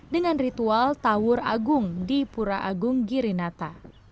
dengan ritual tawur agung di pura agung girinata